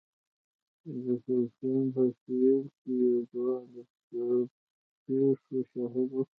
د سیریلیون په سوېل کې یو ځوان د پېښو شاهد و.